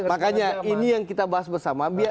makanya ini yang kita bahas bersama